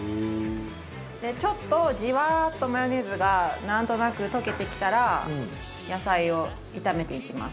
ちょっとジワーッとマヨネーズがなんとなく溶けてきたら野菜を炒めていきます。